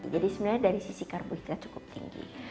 jadi sebenarnya dari sisi karbohidrat cukup tinggi